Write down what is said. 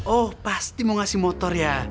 oh pasti mau ngasih motor ya